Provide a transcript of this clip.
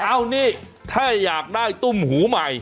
เอานี่ถ้าอยากได้ตุ้มหูใหม่